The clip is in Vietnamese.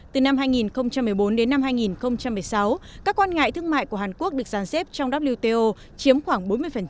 từ năm hai nghìn một mươi bốn đến năm hai nghìn một mươi sáu các quan ngại thương mại của hàn quốc được giàn xếp trong wto chiếm khoảng bốn mươi